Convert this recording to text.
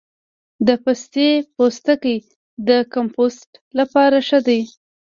د پستې پوستکی د کمپوسټ لپاره ښه دی؟